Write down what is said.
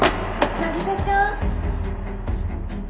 凪沙ちゃん！